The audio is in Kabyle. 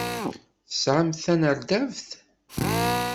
Tesɛamt tanerdabt?